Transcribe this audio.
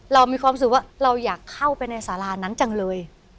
เรามีความรู้สึกว่าเราอยากเข้าไปในสารานั้นจังเลย